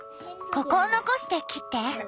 ここを残して切って。